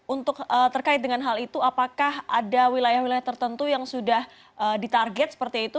untuk terkait dengan hal itu apakah ada wilayah wilayah tertentu yang sudah ditarget seperti itu